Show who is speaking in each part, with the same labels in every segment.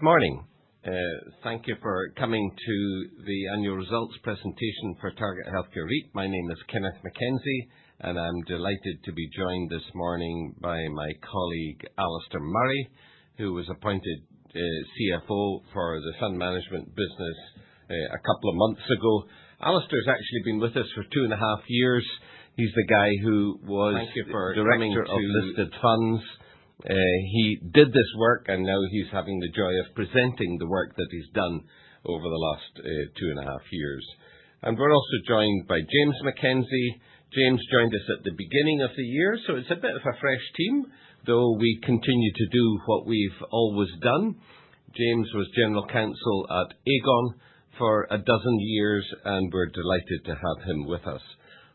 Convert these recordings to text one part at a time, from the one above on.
Speaker 1: Good morning. Thank you for coming to the annual results presentation for Target Healthcare REIT. My name is Kenneth MacKenzie, and I'm delighted to be joined this morning by my colleague Alastair Murray, who was appointed CFO for the fund management business a couple of months ago. Alastair's actually been with us for two and a half years. He's the guy who was director of listed funds. He did this work, and now he's having the joy of presenting the work that he's done over the last two and a half years, and we're also joined by James MacKenzie. James joined us at the beginning of the year, so it's a bit of a fresh team, though we continue to do what we've always done. James was general counsel at Aegon for a dozen years, and we're delighted to have him with us.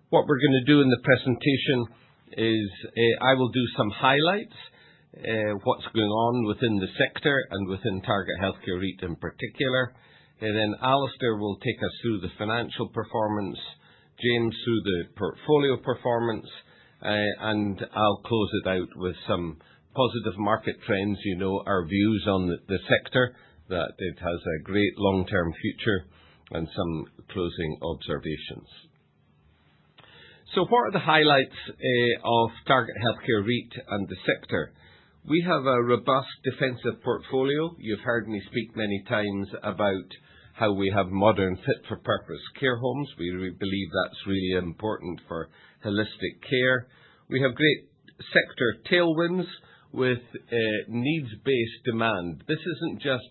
Speaker 1: What we're going to do in the presentation is I will do some highlights, what's going on within the sector and within Target Healthcare REIT in particular. Then Alastair will take us through the financial performance, James through the portfolio performance, and I'll close it out with some positive market trends, our views on the sector, that it has a great long-term future, and some closing observations. So what are the highlights of Target Healthcare REIT and the sector? We have a robust defensive portfolio. You've heard me speak many times about how we have modern fit-for-purpose care homes. We really believe that's really important for holistic care. We have great sector tailwinds with needs-based demand. This isn't just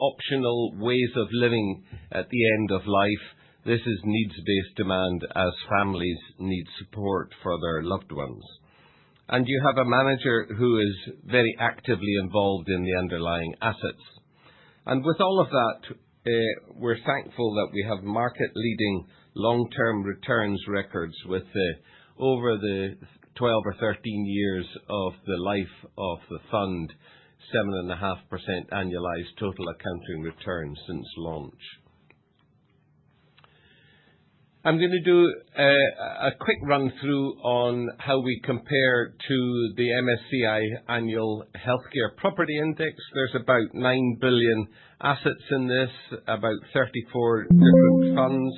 Speaker 1: optional ways of living at the end of life. This is needs-based demand as families need support for their loved ones. You have a manager who is very actively involved in the underlying assets. With all of that, we're thankful that we have market-leading long-term returns records over the 12 or 13 years of the life of the fund, 7.5% annualized total accounting returns since launch. I'm going to do a quick run-through on how we compare to the MSCI Annual Healthcare Property Index. There's about 9 billion assets in this, about 34 different funds.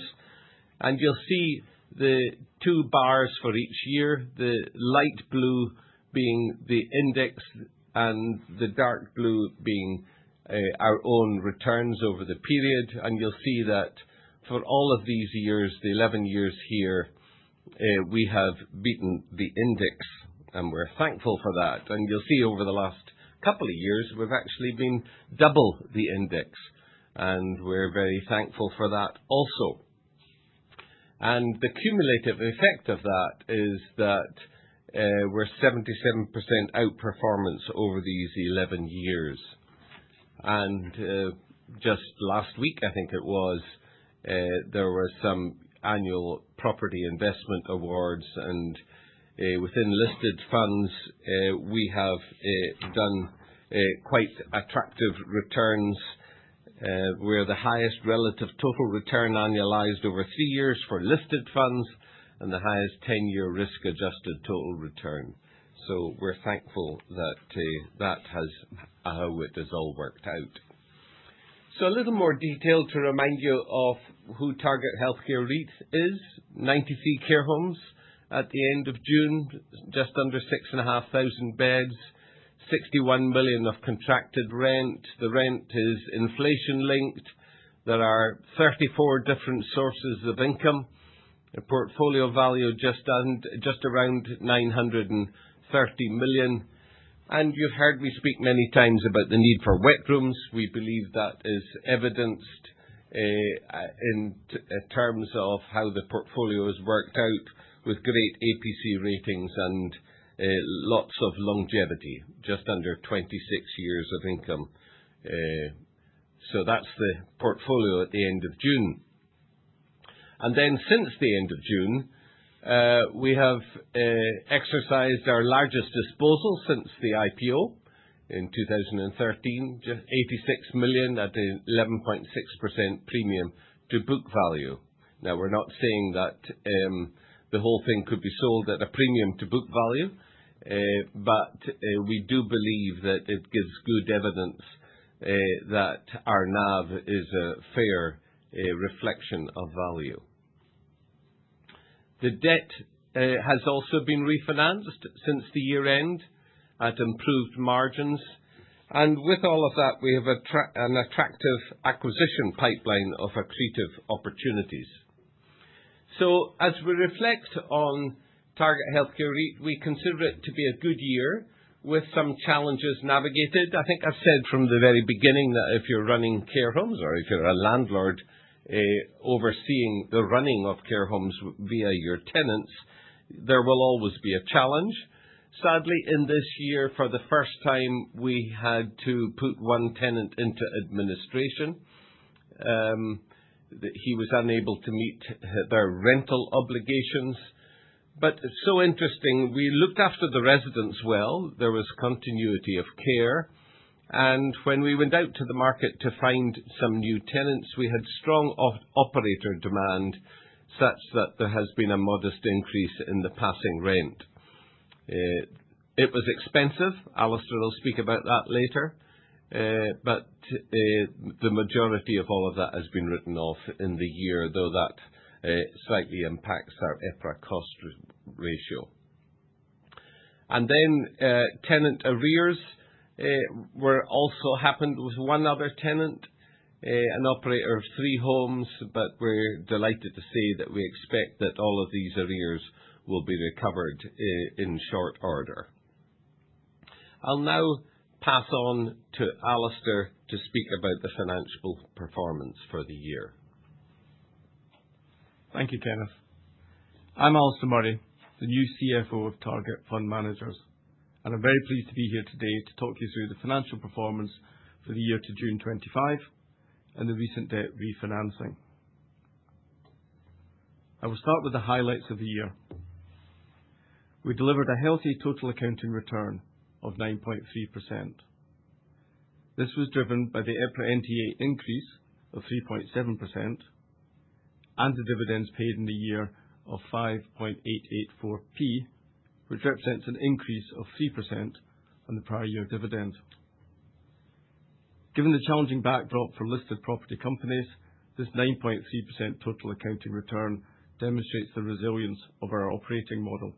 Speaker 1: You'll see the two bars for each year, the light blue being the index and the dark blue being our own returns over the period. You'll see that for all of these years, the 11 years here, we have beaten the index, and we're thankful for that. You'll see over the last couple of years, we've actually been double the index, and we're very thankful for that also. And the cumulative effect of that is that we're 77% outperformance over these 11 years. And just last week, I think it was, there were some annual property investment awards. And within listed funds, we have done quite attractive returns. We're the highest relative total return annualized over three years for listed funds and the highest 10-year risk-adjusted total return. So we're thankful that that has how it has all worked out. So a little more detail to remind you of who Target Healthcare REIT is. 93 care homes at the end of June, just under 6,500 beds, 61 million of contracted rent. The rent is inflation-linked. There are 34 different sources of income. The portfolio value just around 930 million. And you've heard me speak many times about the need for wet rooms. We believe that is evidenced in terms of how the portfolio has worked out with great EPC ratings and lots of longevity, just under 26 years of income. So that's the portfolio at the end of June. And then since the end of June, we have exercised our largest disposal since the IPO in 2013, just 86 million at an 11.6% premium to book value. Now, we're not saying that the whole thing could be sold at a premium to book value, but we do believe that it gives good evidence that our NAV is a fair reflection of value. The debt has also been refinanced since the year-end at improved margins. And with all of that, we have an attractive acquisition pipeline of accretive opportunities. So as we reflect on Target Healthcare REIT, we consider it to be a good year with some challenges navigated. I think I've said from the very beginning that if you're running care homes or if you're a landlord overseeing the running of care homes via your tenants, there will always be a challenge. Sadly, in this year, for the first time, we had to put one tenant into administration. He was unable to meet their rental obligations. But it's so interesting. We looked after the residents well. There was continuity of care. And when we went out to the market to find some new tenants, we had strong operator demand such that there has been a modest increase in the passing rent. It was expensive. Alastair will speak about that later. But the majority of all of that has been written off in the year, though that slightly impacts our EPRA cost ratio. And then tenant arrears were also happened with one other tenant, an operator of three homes, but we're delighted to say that we expect that all of these arrears will be recovered in short order. I'll now pass on to Alastair to speak about the financial performance for the year.
Speaker 2: Thank you, Kenneth. I'm Alastair Murray, the new CFO of Target Fund Managers, and I'm very pleased to be here today to talk you through the financial performance for the year to June 25 and the recent debt refinancing. I will start with the highlights of the year. We delivered a healthy total accounting return of 9.3%. This was driven by the EPRA NTA increase of 3.7% and the dividends paid in the year of 5.884p, which represents an increase of 3% on the prior year dividend. Given the challenging backdrop for listed property companies, this 9.3% total accounting return demonstrates the resilience of our operating model.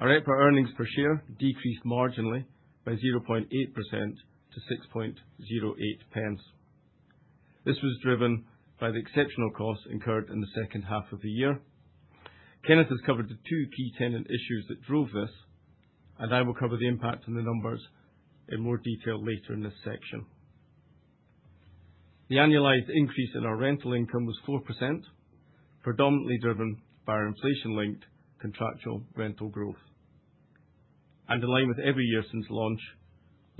Speaker 2: Our EPRA earnings per share decreased marginally by 0.8% to 6.08 pence. This was driven by the exceptional costs incurred in the second half of the year. Kenneth has covered the two key tenant issues that drove this, and I will cover the impact on the numbers in more detail later in this section. The annualized increase in our rental income was 4%, predominantly driven by our inflation-linked contractual rental growth, and in line with every year since launch,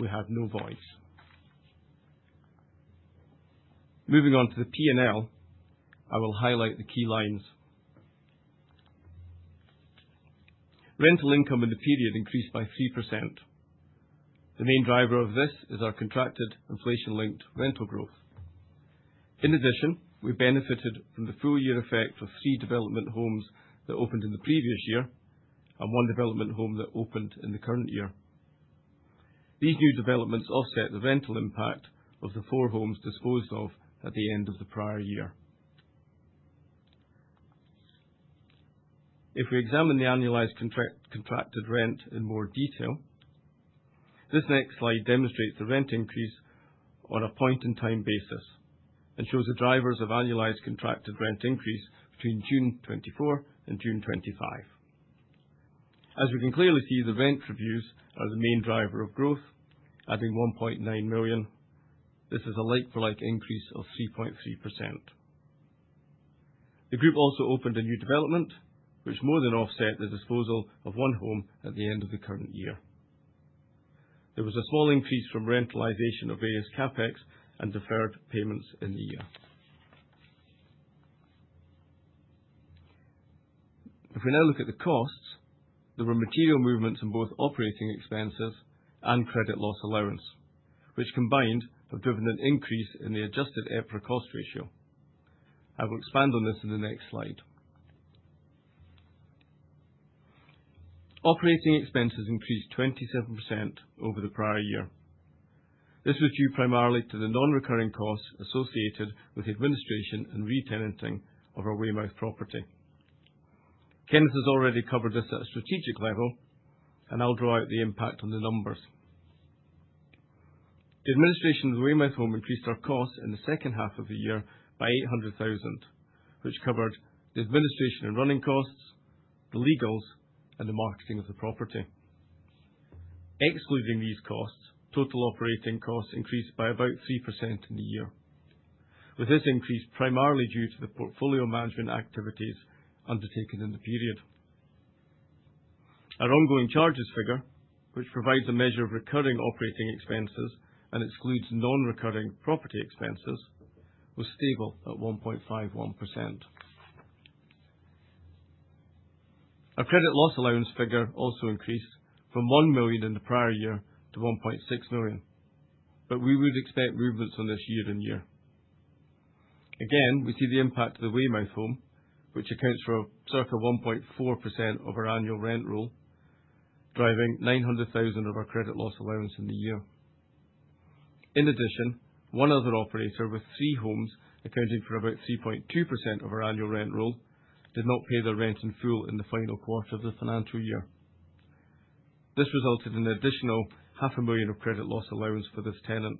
Speaker 2: we have no voids. Moving on to the P&L, I will highlight the key lines. Rental income in the period increased by 3%. The main driver of this is our contracted inflation-linked rental growth. In addition, we benefited from the full-year effect of three development homes that opened in the previous year and one development home that opened in the current year. These new developments offset the rental impact of the four homes disposed of at the end of the prior year. If we examine the annualized contracted rent in more detail, this next slide demonstrates the rent increase on a point-in-time basis and shows the drivers of annualized contracted rent increase between June 2024 and June 2025. As we can clearly see, the rent reviews are the main driver of growth, adding 1.9 million. This is a like-for-like increase of 3.3%. The group also opened a new development, which more than offset the disposal of one home at the end of the current year. There was a small increase from rentalisation of various CapEx and deferred payments in the year. If we now look at the costs, there were material movements in both operating expenses and credit loss allowance, which combined have driven an increase in the adjusted EPRA cost ratio. I will expand on this in the next slide. Operating expenses increased 27% over the prior year. This was due primarily to the non-recurring costs associated with administration and re-tenanting of our Weymouth property. Kenneth has already covered this at a strategic level, and I'll draw out the impact on the numbers. The administration of the Weymouth home increased our costs in the second half of the year by 800,000, which covered the administration and running costs, the legals, and the marketing of the property. Excluding these costs, total operating costs increased by about 3% in the year, with this increase primarily due to the portfolio management activities undertaken in the period. Our ongoing charges figure, which provides a measure of recurring operating expenses and excludes non-recurring property expenses, was stable at 1.51%. Our credit loss allowance figure also increased from 1 million in the prior year to 1.6 million, but we would expect movements on this year-on-year. Again, we see the impact of the Weymouth home, which accounts for circa 1.4% of our annual rent roll, driving 900,000 of our credit loss allowance in the year. In addition, one other operator with three homes accounting for about 3.2% of our annual rent roll did not pay their rent in full in the final quarter of the financial year. This resulted in an additional 500,000 of credit loss allowance for this tenant.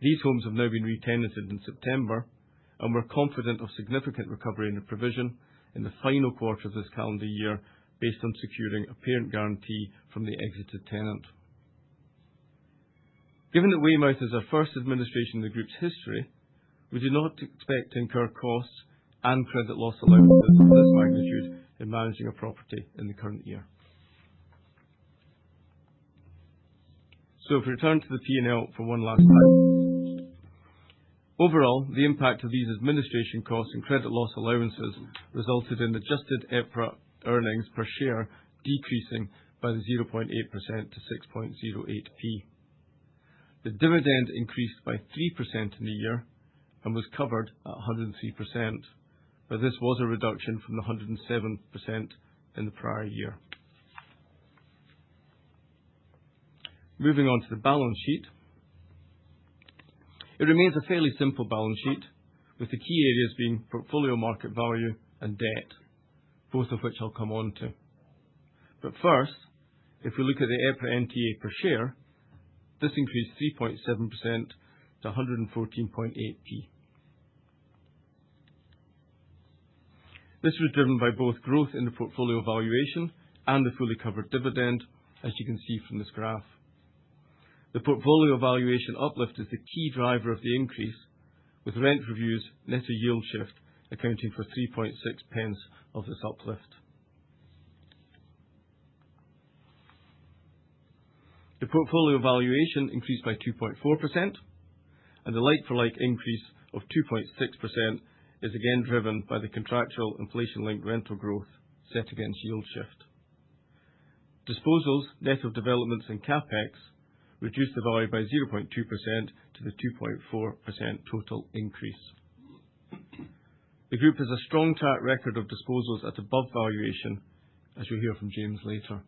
Speaker 2: These homes have now been re-tenanted in September and we're confident of significant recovery in the provision in the final quarter of this calendar year based on securing a parent guarantee from the exited tenant. Given that Weymouth is our first administration in the group's history, we do not expect to incur costs and credit loss allowances of this magnitude in managing a property in the current year. So if we return to the P&L for one last time. Overall, the impact of these administration costs and credit loss allowances resulted in adjusted EPRA earnings per share decreasing by 0.8% to 6.08p. The dividend increased by 3% in the year and was covered at 103%, but this was a reduction from the 107% in the prior year. Moving on to the balance sheet. It remains a fairly simple balance sheet, with the key areas being portfolio market value and debt, both of which I'll come on to. But first, if we look at the EPRA NTA per share, this increased 3.7% to 114.8p. This was driven by both growth in the portfolio valuation and the fully covered dividend, as you can see from this graph. The portfolio valuation uplift is the key driver of the increase, with rent reviews net a yield shift accounting for 0.036 of this uplift. The portfolio valuation increased by 2.4%, and the like-for-like increase of 2.6% is again driven by the contractual inflation-linked rental growth set against yield shift. Disposals net of developments and CapEx reduced the value by 0.2% to the 2.4% total increase. The group has a strong track record of disposals at above valuation, as you'll hear from James later.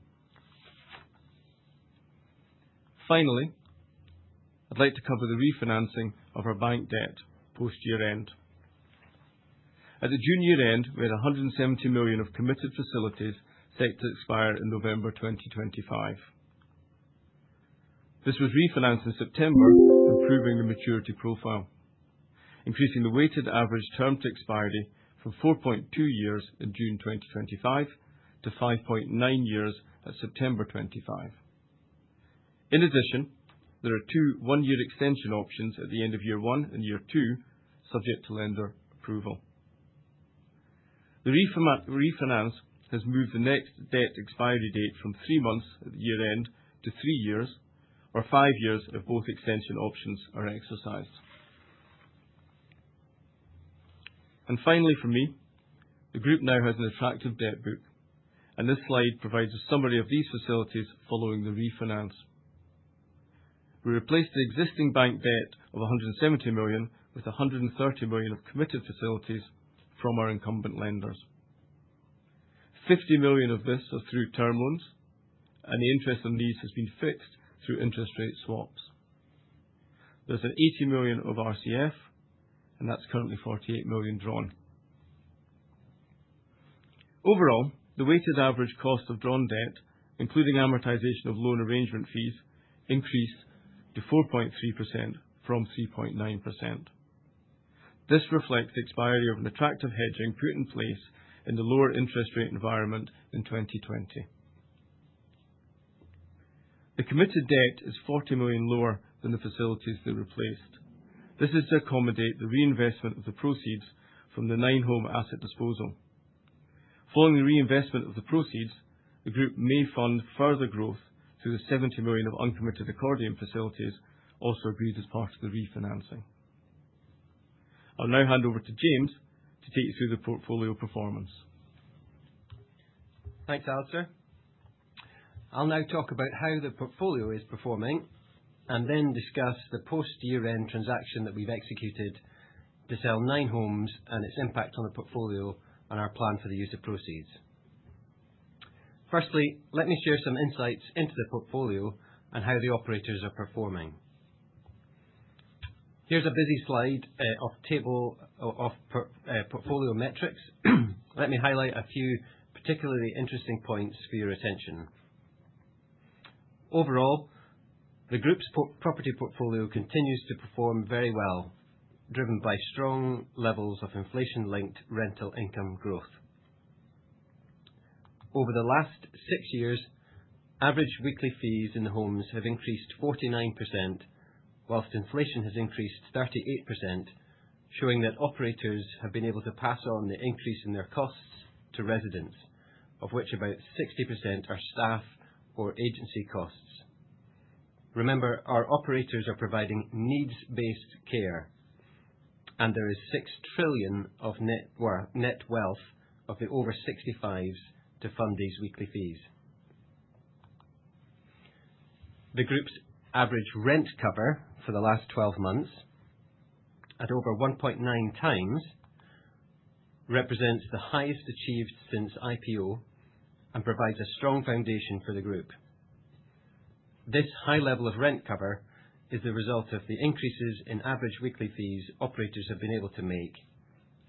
Speaker 2: Finally, I'd like to cover the refinancing of our bank debt post-year-end. At the junior end, we had 170 million of committed facilities set to expire in November 2025. This was refinanced in September, improving the maturity profile, increasing the weighted average term to expiry from 4.2 years in June 2025 to 5.9 years at September 25. In addition, there are two one-year extension options at the end of year one and year two, subject to lender approval. The refinance has moved the next debt expiry date from three months at the year-end to three years or five years if both extension options are exercised. And finally, for me, the group now has an attractive debt book, and this slide provides a summary of these facilities following the refinance. We replaced the existing bank debt of 170 million with 130 million of committed facilities from our incumbent lenders. 50 million of this are through term loans, and the interest on these has been fixed through interest rate swaps. There's 80 million of RCF, and that's currently 48 million drawn. Overall, the weighted average cost of drawn debt, including amortization of loan arrangement fees, increased to 4.3% from 3.9%. This reflects the expiry of an attractive hedging put in place in the lower interest rate environment in 2020. The committed debt is 40 million lower than the facilities they replaced. This is to accommodate the reinvestment of the proceeds from the nine-home asset disposal. Following the reinvestment of the proceeds, the group may fund further growth through the 70 million of uncommitted accordion facilities also agreed as part of the refinancing. I'll now hand over to James to take you through the portfolio performance.
Speaker 3: Thanks, Alastair. I'll now talk about how the portfolio is performing and then discuss the post-year-end transaction that we've executed to sell nine homes and its impact on the portfolio and our plan for the use of proceeds. Firstly, let me share some insights into the portfolio and how the operators are performing. Here's a busy slide of portfolio metrics. Let me highlight a few particularly interesting points for your attention. Overall, the group's property portfolio continues to perform very well, driven by strong levels of inflation-linked rental income growth. Over the last six years, average weekly fees in the homes have increased 49%, whilst inflation has increased 38%, showing that operators have been able to pass on the increase in their costs to residents, of which about 60% are staff or agency costs. Remember, our operators are providing needs-based care, and there is six trillion of net wealth of the over 65s to fund these weekly fees. The group's average rent cover for the last 12 months, at over 1.9 times, represents the highest achieved since IPO and provides a strong foundation for the group. This high level of rent cover is the result of the increases in average weekly fees operators have been able to make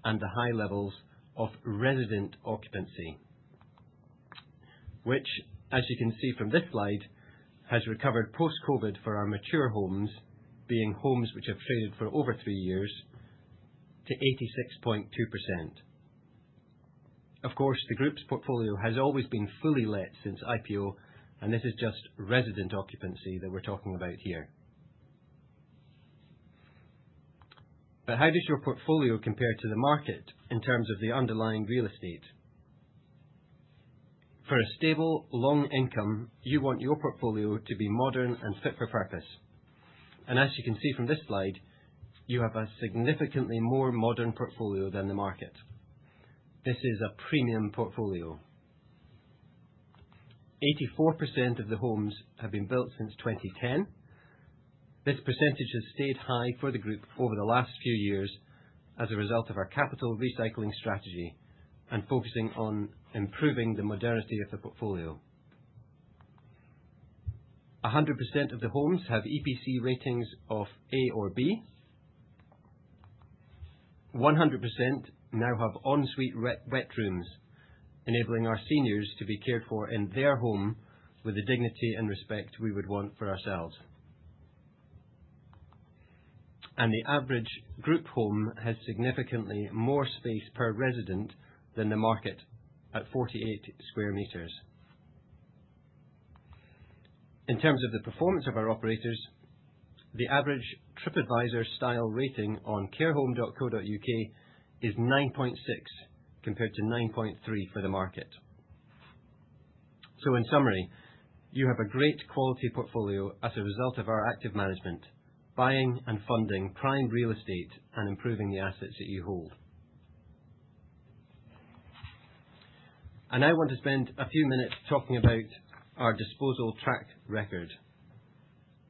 Speaker 3: and the high levels of resident occupancy, which, as you can see from this slide, has recovered post-COVID for our mature homes, being homes which have traded for over three years, to 86.2%. Of course, the group's portfolio has always been fully let since IPO, and this is just resident occupancy that we're talking about here. But how does your portfolio compare to the market in terms of the underlying real estate? For a stable, long income, you want your portfolio to be modern and fit-for-purpose, and as you can see from this slide, you have a significantly more modern portfolio than the market. This is a premium portfolio. 84% of the homes have been built since 2010. This percentage has stayed high for the group over the last few years as a result of our capital recycling strategy and focusing on improving the modernity of the portfolio. 100% of the homes have EPC ratings of A or B. 100% now have ensuite wet rooms, enabling our seniors to be cared for in their home with the dignity and respect we would want for ourselves, and the average group home has significantly more space per resident than the market at 48 square meters. In terms of the performance of our operators, the average TripAdvisor style rating on carehome.co.uk is 9.6 compared to 9.3 for the market. So in summary, you have a great quality portfolio as a result of our active management, buying and funding prime real estate and improving the assets that you hold. And I want to spend a few minutes talking about our disposal track record.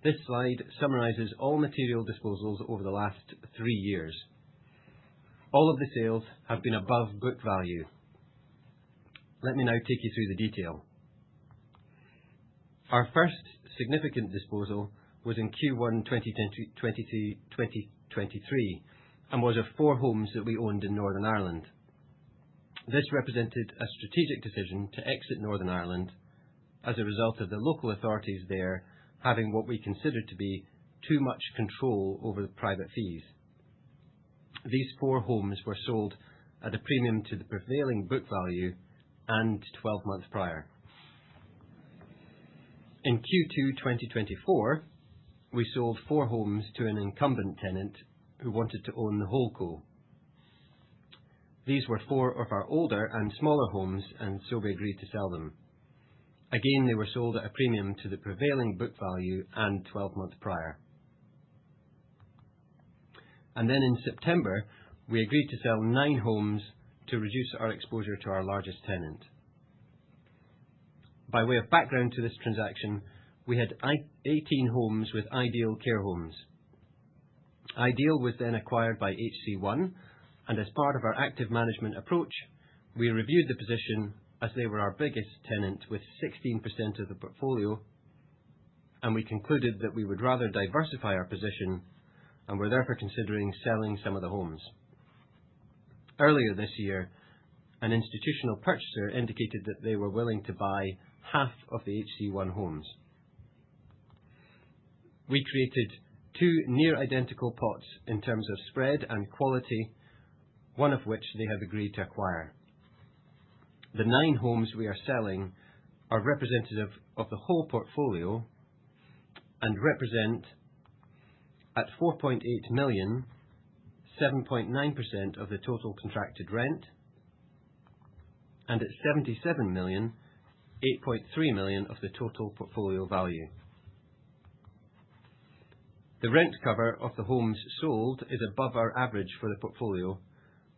Speaker 3: This slide summarizes all material disposals over the last three years. All of the sales have been above book value. Let me now take you through the detail. Our first significant disposal was in Q1 2023 and was of four homes that we owned in Northern Ireland. This represented a strategic decision to exit Northern Ireland as a result of the local authorities there having what we consider to be too much control over private fees. These four homes were sold at a premium to the prevailing book value and 12 months prior. In Q2 2024, we sold four homes to an incumbent tenant who wanted to own the whole pool. These were four of our older and smaller homes, and so we agreed to sell them. Again, they were sold at a premium to the prevailing book value and 12 months prior. And then in September, we agreed to sell nine homes to reduce our exposure to our largest tenant. By way of background to this transaction, we had 18 homes with Ideal Carehomes. Ideal was then acquired by HC-One, and as part of our active management approach, we reviewed the position as they were our biggest tenant with 16% of the portfolio, and we concluded that we would rather diversify our position and were therefore considering selling some of the homes. Earlier this year, an institutional purchaser indicated that they were willing to buy half of the HC-One homes. We created two near identical pots in terms of spread and quality, one of which they have agreed to acquire. The nine homes we are selling are representative of the whole portfolio and represent at 4.8 million, 7.9% of the total contracted rent, and at 77 million, 8.3% of the total portfolio value. The rent cover of the homes sold is above our average for the portfolio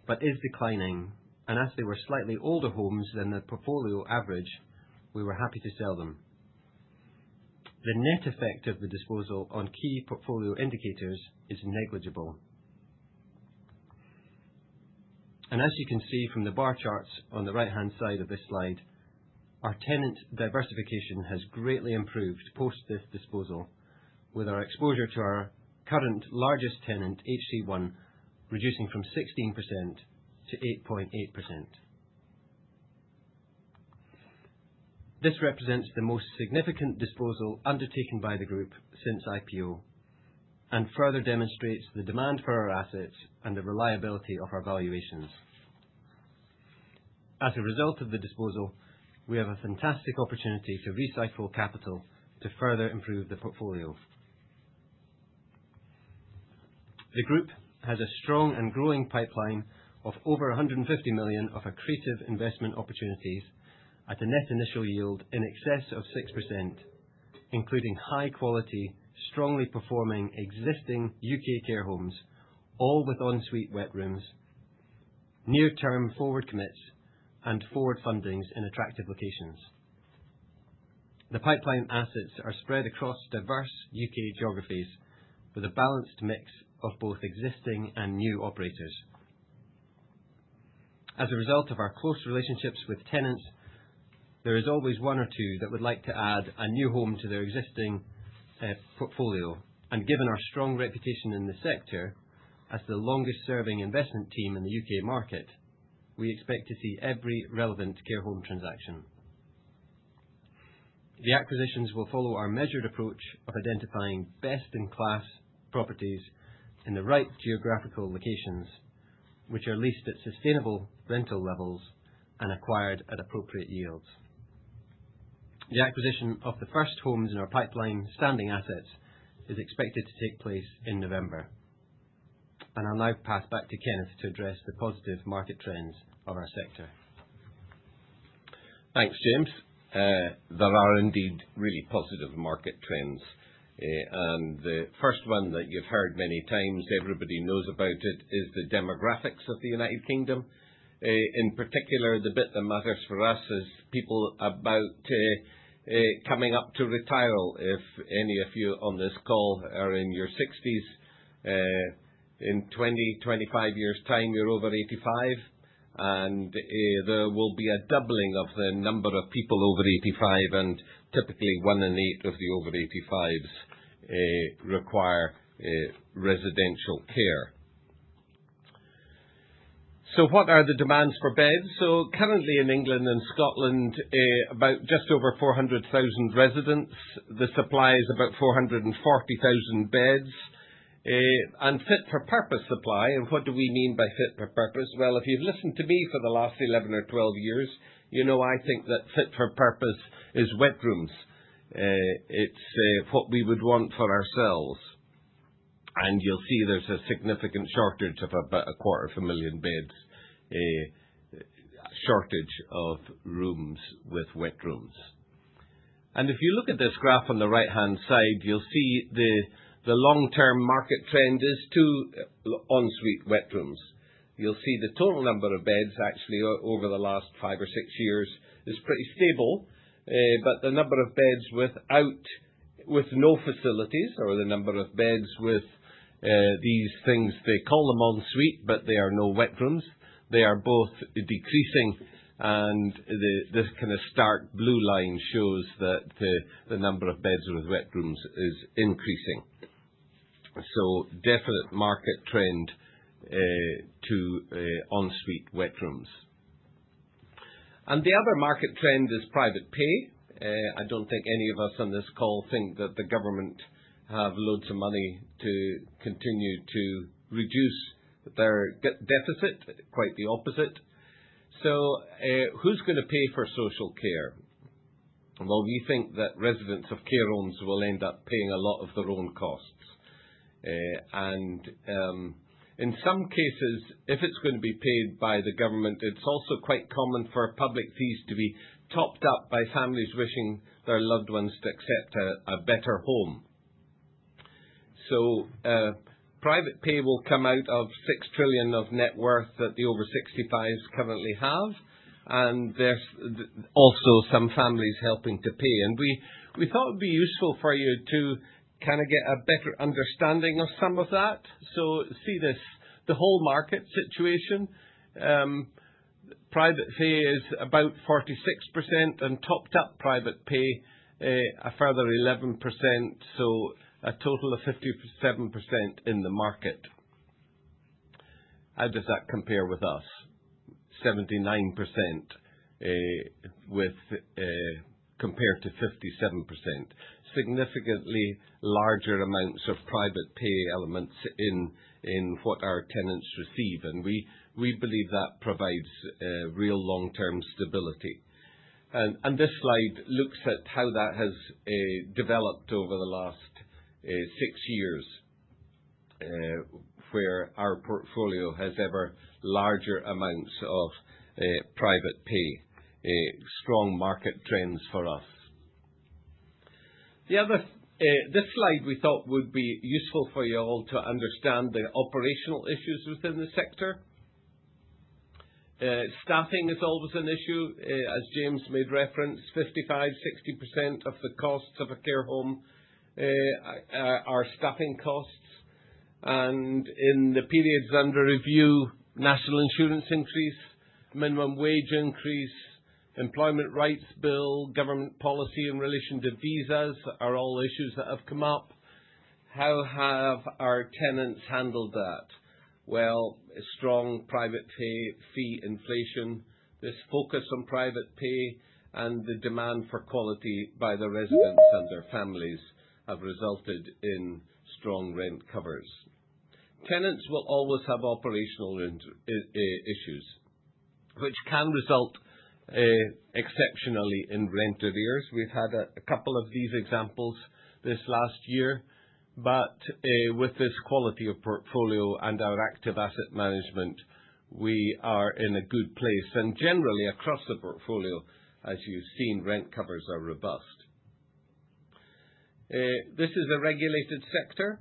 Speaker 3: but is declining, and as they were slightly older homes than the portfolio average, we were happy to sell them. The net effect of the disposal on key portfolio indicators is negligible. And as you can see from the bar charts on the right-hand side of this slide, our tenant diversification has greatly improved post this disposal, with our exposure to our current largest tenant, HC-One, reducing from 16% to 8.8%. This represents the most significant disposal undertaken by the group since IPO and further demonstrates the demand for our assets and the reliability of our valuations. As a result of the disposal, we have a fantastic opportunity to recycle capital to further improve the portfolio. The group has a strong and growing pipeline of over 150 million of accretive investment opportunities at a net initial yield in excess of 6%, including high-quality, strongly performing existing U.K. care homes, all with ensuite wet rooms, near-term forward commits, and forward fundings in attractive locations. The pipeline assets are spread across diverse U.K. geographies with a balanced mix of both existing and new operators. As a result of our close relationships with tenants, there is always one or two that would like to add a new home to their existing portfolio. And given our strong reputation in the sector as the longest-serving investment team in the U.K. market, we expect to see every relevant care home transaction. The acquisitions will follow our measured approach of identifying best-in-class properties in the right geographical locations, which are leased at sustainable rental levels and acquired at appropriate yields. The acquisition of the first homes in our pipeline standing assets is expected to take place in November. And I'll now pass back to Kenneth to address the positive market trends of our sector.
Speaker 1: Thanks, James. There are indeed really positive market trends, and the first one that you've heard many times, everybody knows about it, is the demographics of the United Kingdom. In particular, the bit that matters for us as people about coming up to retire, if any of you on this call are in your 60s, in 20, 25 years' time, you're over 85, and there will be a doubling of the number of people over 85, and typically one in eight of the over 85s require residential care, so what are the demands for beds, so currently in England and Scotland, about just over 400,000 residents. The supply is about 440,000 beds, and fit-for-purpose supply, and what do we mean by fit-for-purpose, well, if you've listened to me for the last 11 or 12 years, you know I think that fit-for-purpose is wet rooms. It's what we would want for ourselves. And you'll see there's a significant shortage of about 250,000 beds, a shortage of rooms with wet rooms. And if you look at this graph on the right-hand side, you'll see the long-term market trend is to ensuite wet rooms. You'll see the total number of beds actually over the last five or six years is pretty stable, but the number of beds without no facilities or the number of beds with these things, they call them ensuite, but they are no wet rooms, they are both decreasing, and this kind of stark blue line shows that the number of beds with wet rooms is increasing. So definite market trend to ensuite wet rooms. And the other market trend is private pay. I don't think any of us on this call think that the government has loads of money to continue to reduce their deficit, quite the opposite. So who's going to pay for social care? Well, we think that residents of care homes will end up paying a lot of their own costs. And in some cases, if it's going to be paid by the government, it's also quite common for public fees to be topped up by families wishing their loved ones to accept a better home. So private pay will come out of six trillion of net worth that the over 65s currently have, and there's also some families helping to pay. And we thought it would be useful for you to kind of get a better understanding of some of that. So see the whole market situation. Private pay is about 46%, and topped-up private pay a further 11%, so a total of 57% in the market. How does that compare with us? 79% compared to 57%. Significantly larger amounts of private pay elements in what our tenants receive, and we believe that provides real long-term stability. And this slide looks at how that has developed over the last six years, where our portfolio has ever larger amounts of private pay. Strong market trends for us. This slide we thought would be useful for you all to understand the operational issues within the sector. Staffing is always an issue, as James made reference. 55-60% of the costs of a care home are staffing costs. And in the periods under review, National Insurance increase, minimum wage increase, Employment Rights bill, government policy in relation to visas are all issues that have come up. How have our tenants handled that? Well, strong private pay fee inflation, this focus on private pay, and the demand for quality by the residents and their families have resulted in strong rent covers. Tenants will always have operational issues, which can result exceptionally in rent arrears. We've had a couple of these examples this last year, but with this quality of portfolio and our active asset management, we are in a good place, and generally, across the portfolio, as you've seen, rent covers are robust. This is a regulated sector.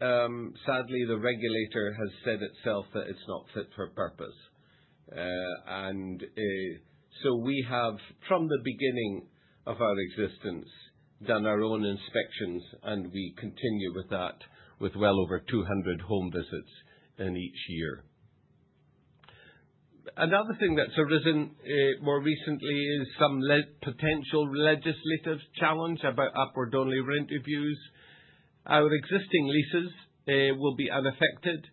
Speaker 1: Sadly, the regulator has said itself that it's not fit-for-purpose, and so we have, from the beginning of our existence, done our own inspections, and we continue with that with well over 200 home visits in each year. Another thing that's arisen more recently is some potential legislative challenge about upward-only rent reviews. Our existing leases will be unaffected.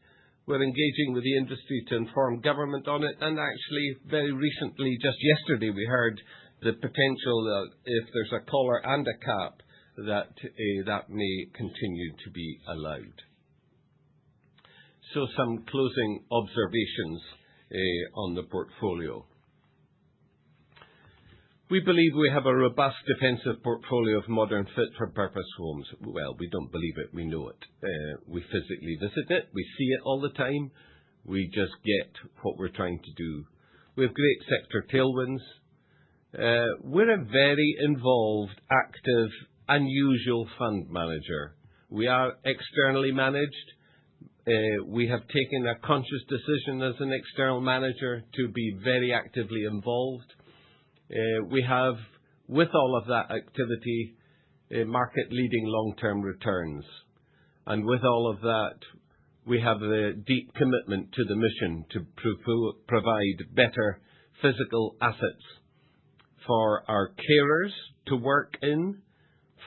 Speaker 1: We're engaging with the industry to inform government on it. And actually, very recently, just yesterday, we heard the potential that if there's a collar and a cap, that may continue to be allowed. So some closing observations on the portfolio. We believe we have a robust defensive portfolio of modern fit-for-purpose homes. Well, we don't believe it. We know it. We physically visit it. We see it all the time. We just get what we're trying to do. We have great sector tailwinds. We're a very involved, active, unusual fund manager. We are externally managed. We have taken a conscious decision as an external manager to be very actively involved. We have, with all of that activity, market-leading long-term returns. And with all of that, we have a deep commitment to the mission to provide better physical assets for our carers to work in,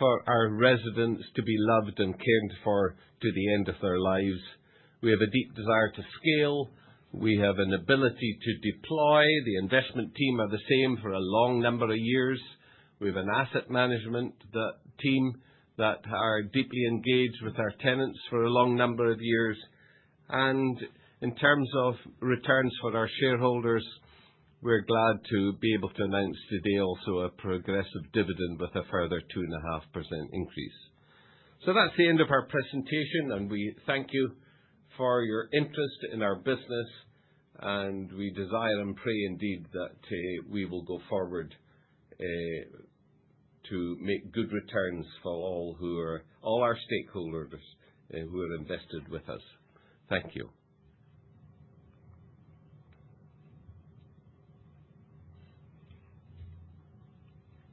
Speaker 1: for our residents to be loved and cared for to the end of their lives. We have a deep desire to scale. We have an ability to deploy. The investment team are the same for a long number of years. We have an asset management team that are deeply engaged with our tenants for a long number of years. And in terms of returns for our shareholders, we're glad to be able to announce today also a progressive dividend with a further 2.5% increase. So that's the end of our presentation, and we thank you for your interest in our business, and we desire and pray indeed that we will go forward to make good returns for all our stakeholders who are invested with us. Thank you.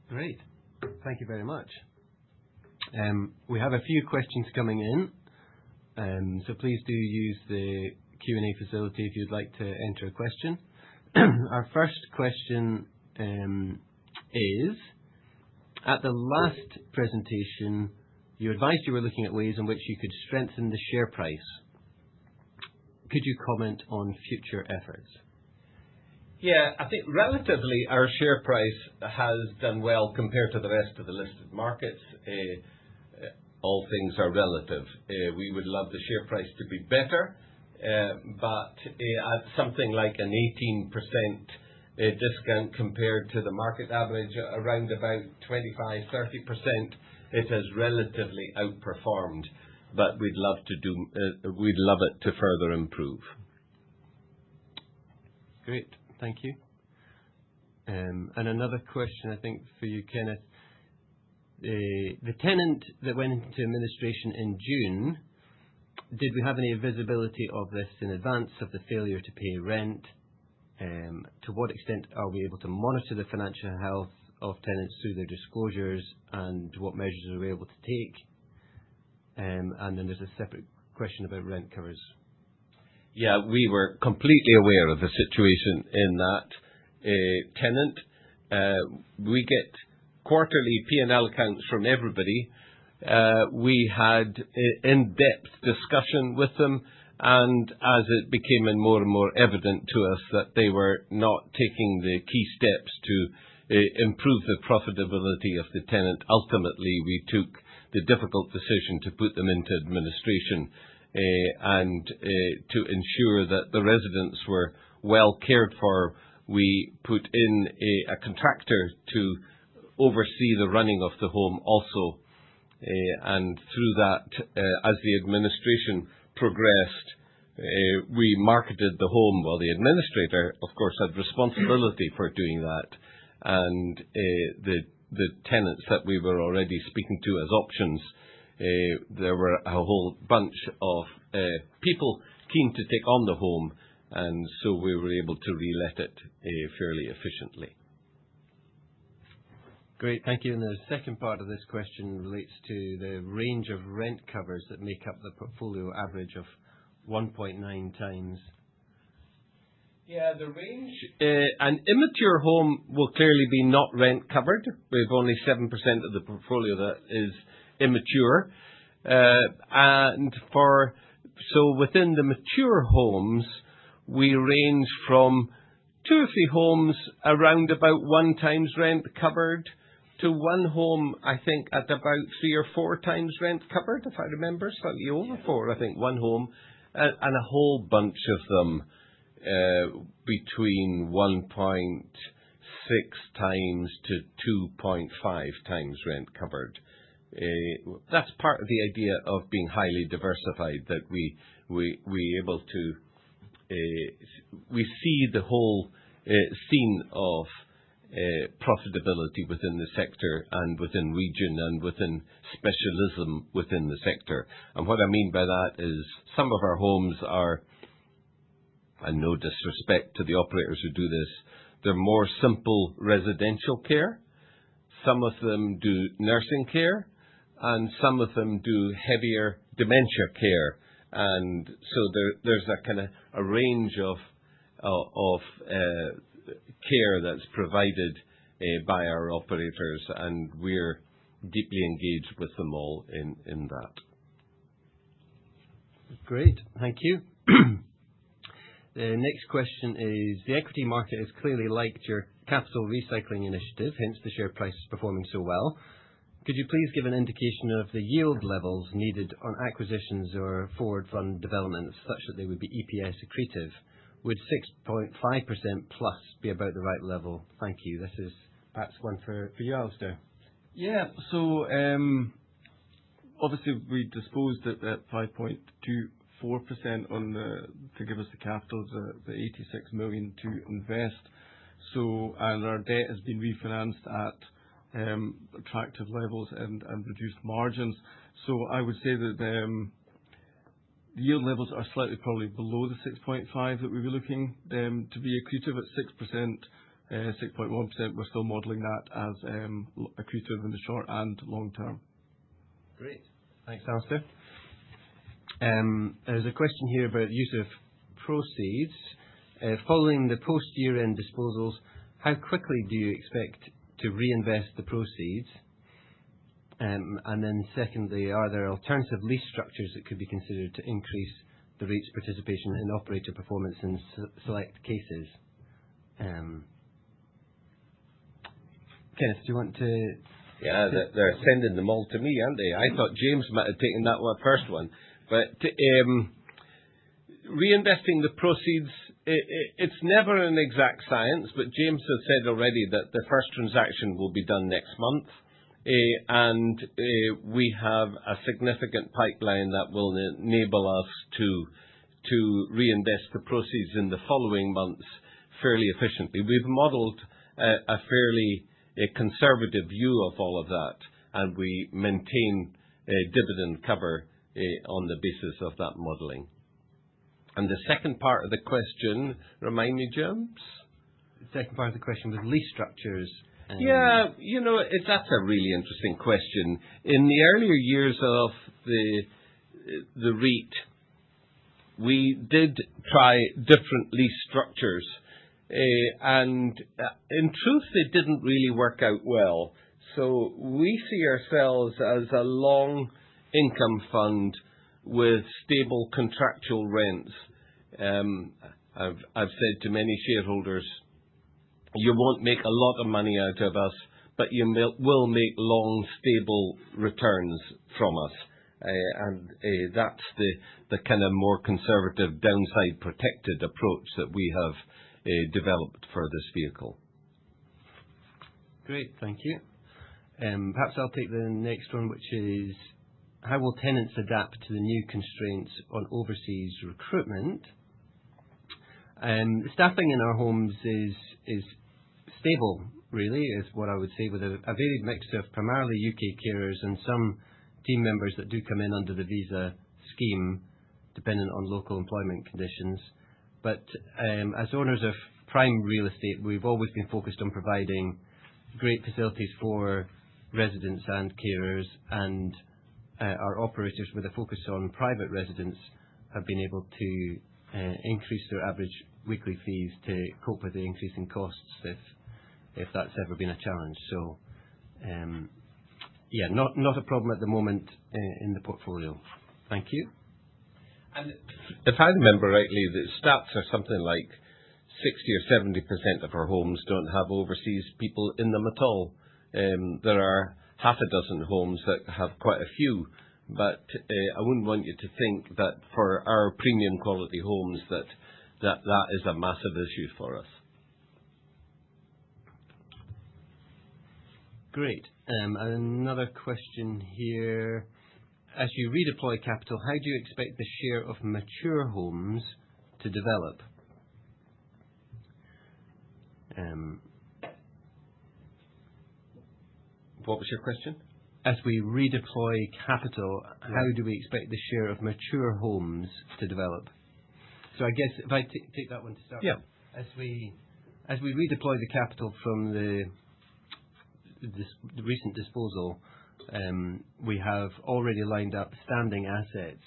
Speaker 3: Great. Thank you very much. We have a few questions coming in, so please do use the Q&A facility if you'd like to enter a question. Our first question is, at the last presentation, you advised you were looking at ways in which you could strengthen the share price. Could you comment on future efforts?
Speaker 1: Yeah. I think relatively, our share price has done well compared to the rest of the listed markets. All things are relative. We would love the share price to be better, but at something like an 18% discount compared to the market average, around about 25%-30%, it has relatively outperformed, but we'd love it to further improve.
Speaker 3: Great. Thank you. And another question, I think, for you, Kenneth. The tenant that went into administration in June, did we have any visibility of this in advance of the failure to pay rent? To what extent are we able to monitor the financial health of tenants through their disclosures, and what measures are we able to take? And then there's a separate question about rent covers.
Speaker 1: Yeah. We were completely aware of the situation in that tenant. We get quarterly P&L accounts from everybody. We had an in-depth discussion with them, and as it became more and more evident to us that they were not taking the key steps to improve the profitability of the tenant, ultimately, we took the difficult decision to put them into administration, and to ensure that the residents were well cared for, we put in a contractor to oversee the running of the home also, and through that, as the administration progressed, we marketed the home, well, the administrator, of course, had responsibility for doing that, and the tenants that we were already speaking to as options, there were a whole bunch of people keen to take on the home, and so we were able to re-let it fairly efficiently.
Speaker 3: Great. Thank you. And the second part of this question relates to the range of rent covers that make up the portfolio average of 1.9 times.
Speaker 1: Yeah, the range. An immature home will clearly be not rent covered. We have only 7% of the portfolio that is immature, and so within the mature homes, we range from two or three homes around about one times rent covered to one home, I think, at about three or four times rent covered, if I remember. Slightly over four, I think, one home, and a whole bunch of them between 1.6-2.5 times rent covered. That's part of the idea of being highly diversified, that we're able to see the whole scene of profitability within the sector and within region and within specialism within the sector, and what I mean by that is some of our homes are, and no disrespect to the operators who do this, they're more simple residential care. Some of them do nursing care, and some of them do heavier dementia care. And so there's a kind of a range of care that's provided by our operators, and we're deeply engaged with them all in that.
Speaker 3: Great. Thank you. The next question is, the equity market has clearly liked your capital recycling initiative, hence the share price performing so well. Could you please give an indication of the yield levels needed on acquisitions or forward fund developments such that they would be EPS accretive? Would 6.5% plus be about the right level? Thank you. This is perhaps one for you Alastair.
Speaker 2: Yeah. So obviously, we disposed at 5.24% to give us the capital, the 86 million to invest, and our debt has been refinanced at attractive levels and reduced margins, so I would say that the yield levels are slightly probably below the 6.5 that we were looking to be accretive at 6%, 6.1%. We're still modeling that as accretive in the short and long term.
Speaker 3: Great. Thanks, Alastair. There's a question here about the use of proceeds. Following the post-year-end disposals, how quickly do you expect to reinvest the proceeds? And then secondly, are there alternative lease structures that could be considered to increase the rents' participation in operator performance in select cases? Kenneth, do you want to?
Speaker 1: Yeah. They're sending them all to me, aren't they? I thought James might have taken that first one, but reinvesting the proceeds, it's never an exact science, but James has said already that the first transaction will be done next month, and we have a significant pipeline that will enable us to reinvest the proceeds in the following months fairly efficiently. We've modeled a fairly conservative view of all of that, and we maintain dividend cover on the basis of that modeling, and the second part of the question, remind me, James?
Speaker 3: The second part of the question was lease structures.
Speaker 1: Yeah. That's a really interesting question. In the earlier years of the REIT, we did try different lease structures, and in truth, they didn't really work out well, so we see ourselves as a long income fund with stable contractual rents. I've said to many shareholders, "You won't make a lot of money out of us, but you will make long, stable returns from us," and that's the kind of more conservative, downside-protected approach that we have developed for this vehicle.
Speaker 3: Great. Thank you. Perhaps I'll take the next one, which is, How will tenants adapt to the new constraints on overseas recruitment? Staffing in our homes is stable, really, is what I would say, with a varied mix of primarily U.K. carers and some team members that do come in under the visa scheme, dependent on local employment conditions, but as owners of prime real estate, we've always been focused on providing great facilities for residents and carers, and our operators, with a focus on private residents, have been able to increase their average weekly fees to cope with the increasing costs, if that's ever been a challenge, so yeah, not a problem at the moment in the portfolio. Thank you.
Speaker 1: And if I remember rightly, the stats are something like 60% or 70% of our homes don't have overseas people in them at all. There are six homes that have quite a few, but I wouldn't want you to think that for our premium-quality homes, that that is a massive issue for us.
Speaker 3: Great. Another question here. As you redeploy capital, how do you expect the share of mature homes to develop?
Speaker 1: What was your question?
Speaker 3: As we redeploy capital, how do we expect the share of mature homes to develop? So I guess if I take that one to start with.
Speaker 1: Yeah.
Speaker 3: As we redeploy the capital from the recent disposal, we have already lined up standing assets,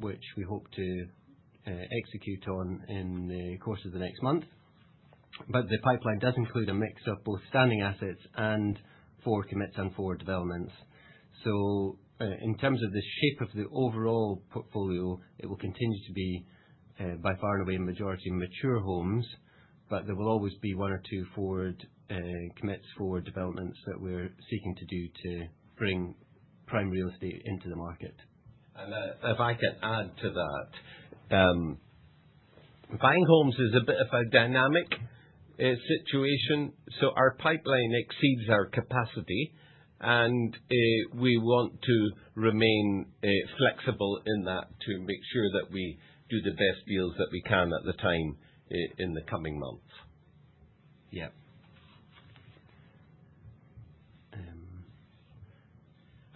Speaker 3: which we hope to execute on in the course of the next month. But the pipeline does include a mix of both standing assets and forward commits and forward developments. So in terms of the shape of the overall portfolio, it will continue to be by far and away a majority mature homes, but there will always be one or two forward commits forward developments that we're seeking to do to bring prime real estate into the market.
Speaker 1: And if I can add to that, buying homes is a bit of a dynamic situation. So our pipeline exceeds our capacity, and we want to remain flexible in that to make sure that we do the best deals that we can at the time in the coming months.
Speaker 3: Yeah.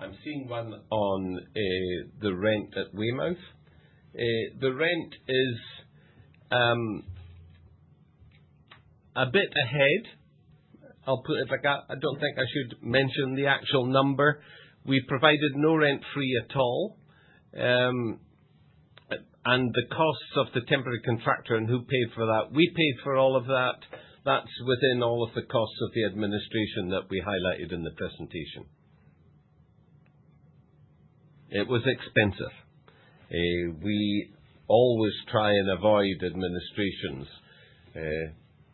Speaker 1: I'm seeing one on the rent at Weymouth. The rent is a bit ahead. I'll put it like that. I don't think I should mention the actual number. We provided no rent-free at all, and the costs of the temporary contractor and who paid for that, we paid for all of that. That's within all of the costs of the administration that we highlighted in the presentation. It was expensive. We always try and avoid administrations.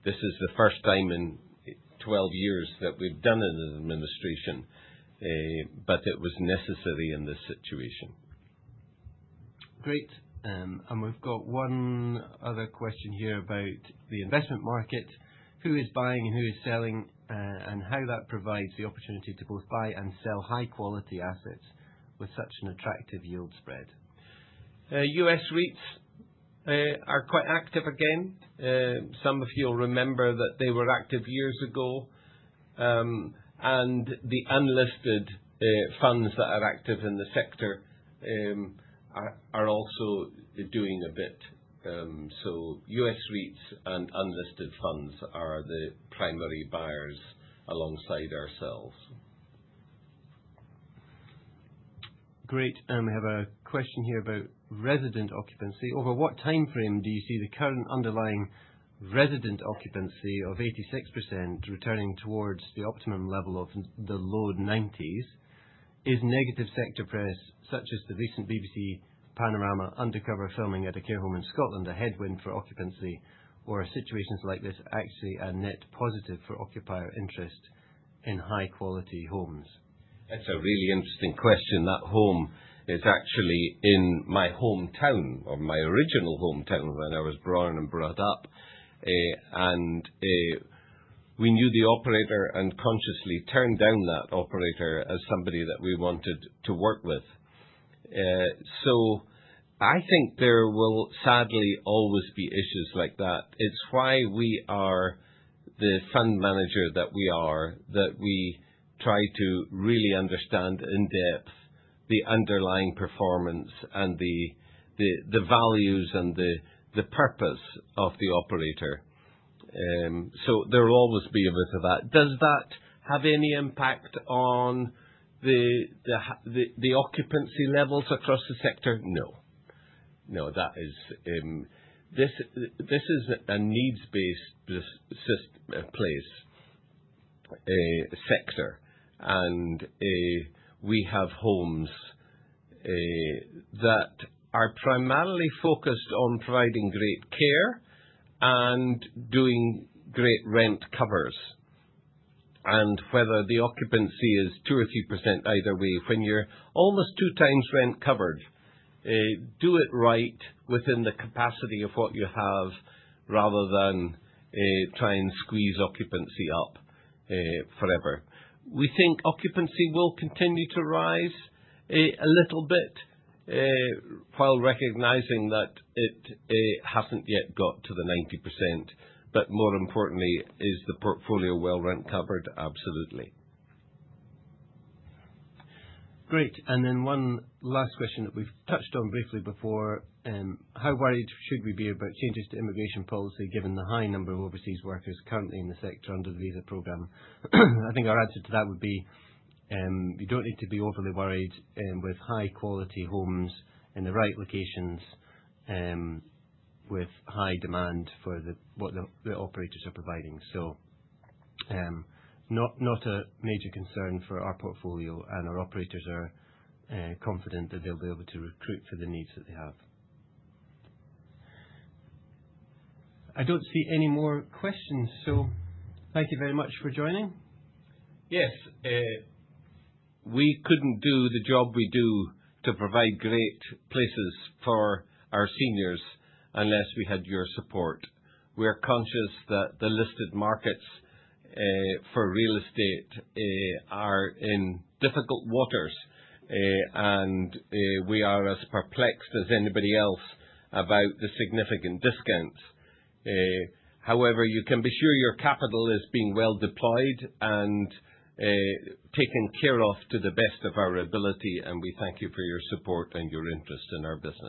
Speaker 1: This is the first time in 12 years that we've done an administration, but it was necessary in this situation.
Speaker 3: Great. And we've got one other question here about the investment market. Who is buying and who is selling, and how that provides the opportunity to both buy and sell high-quality assets with such an attractive yield spread?
Speaker 1: U.S. REITs are quite active again. Some of you will remember that they were active years ago. And the unlisted funds that are active in the sector are also doing a bit. So U.S. REITs and unlisted funds are the primary buyers alongside ourselves.
Speaker 3: Great. And we have a question here about resident occupancy. Over what timeframe do you see the current underlying resident occupancy of 86% returning towards the optimum level of the low 90s? Is negative sector press, such as the recent BBC Panorama undercover filming at a care home in Scotland, a headwind for occupancy? Or are situations like this actually a net positive for occupier interest in high-quality homes?
Speaker 1: That's a really interesting question. That home is actually in my hometown, or my original hometown when I was born and brought up. And we knew the operator and consciously turned down that operator as somebody that we wanted to work with. So I think there will sadly always be issues like that. It's why we are the fund manager that we are, that we try to really understand in depth the underlying performance and the values and the purpose of the operator. So there will always be a bit of that. Does that have any impact on the occupancy levels across the sector? No. No. This is a needs-based place, sector. And we have homes that are primarily focused on providing great care and doing great rent covers. And whether the occupancy is 2% or 3% either way, when you're almost two times rent covered, do it right within the capacity of what you have rather than try and squeeze occupancy up forever. We think occupancy will continue to rise a little bit, while recognizing that it hasn't yet got to the 90%. But more importantly, is the portfolio well rent covered? Absolutely.
Speaker 3: Great. And then one last question that we've touched on briefly before. How worried should we be about changes to immigration policy given the high number of overseas workers currently in the sector under the visa program? I think our answer to that would be you don't need to be overly worried with high-quality homes in the right locations with high demand for what the operators are providing. So not a major concern for our portfolio. And our operators are confident that they'll be able to recruit for the needs that they have. I don't see any more questions. So thank you very much for joining.
Speaker 1: Yes. We couldn't do the job we do to provide great places for our seniors unless we had your support. We're conscious that the listed markets for real estate are in difficult waters, and we are as perplexed as anybody else about the significant discounts. However, you can be sure your capital is being well deployed and taken care of to the best of our ability, and we thank you for your support and your interest in our business.